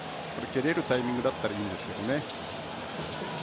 蹴れるタイミングだったらいいんですが。